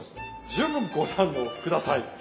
十分ご堪能下さいまし。